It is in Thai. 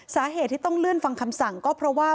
สาเหตุที่ต้องเลื่อนฟังคำสั่งก็เพราะว่า